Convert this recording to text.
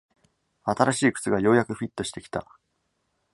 新しい靴がようやくフィットしてきた